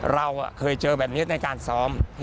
เราเคยเจอแบบนี้ในการซ้อม